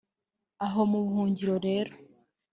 Aho mu buhungiro rero